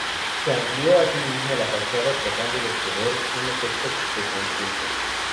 Se amplió asimismo la fachada tratando de obtener un efecto de conjunto.